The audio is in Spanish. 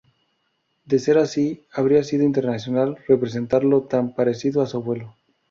De ser así, habría sido intencional representarlo tan parecido a su abuelo.